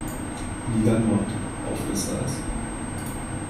Liga Nord, auf das Eis.